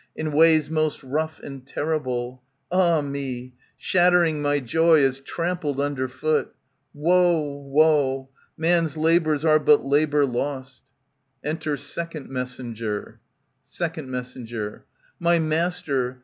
In ways most rough and terrible, (Ah me !) Shattering my joy, as trampled under foot. Woe! woe! Man's labours are but labour lost. 185 ANTIGONE Enter Second Messenger. Sec. Mess, My master!